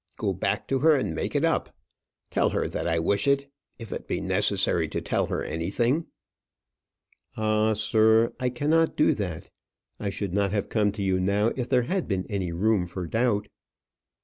Go back to her, and make it up. Tell her that I wish it, if it be necessary to tell her anything." "Ah, sir, I cannot do that. I should not have come to you now if there had been any room for doubt."